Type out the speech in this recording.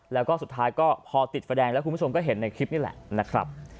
แล้วก็สุดท้ายก็พอติดไฟแดงแล้วคุณผู้ชมก็เห็นในคลิปนี่แหละนะครับ